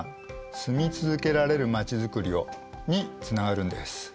「住み続けられるまちづくりを」につながるんです。